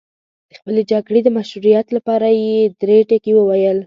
د خپلې جګړې د مشروعیت لپاره یې درې ټکي وویل.